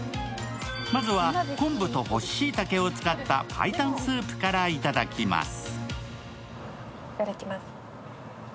まずは、昆布と干ししいたけを使った白湯スープからいただきます。